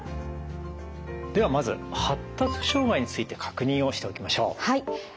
ではまず発達障害について確認をしておきましょう。